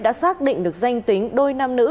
đã xác định được danh tính đôi nam nữ